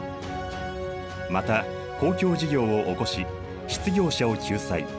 また公共事業を興し失業者を救済。